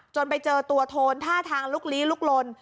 ไปเจอตัวโทนท่าทางลุกลี้ลุกลน